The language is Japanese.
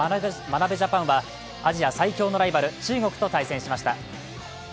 眞鍋ジャパンはアジア最強のライバル中国と対戦しました。